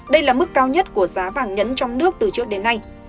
đây là mức cao nhất của giá vàng nhẫn trong nước từ trước đến nay